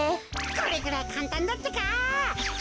これぐらいかんたんだってか。